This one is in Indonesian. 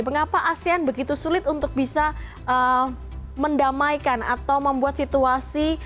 mengapa asean begitu sulit untuk bisa mendamaikan atau membuat situasi